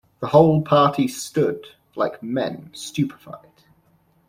The whole party stood like men stupefied.